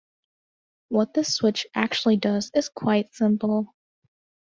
What this switch actually does is quite simple.